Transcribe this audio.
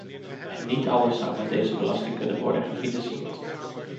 En niet alles zou met deze belasting kunnen worden gefinancierd.